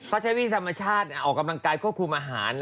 ภาชาวีสัมมชาติออกกำลังไกลโครงคุมอาหาร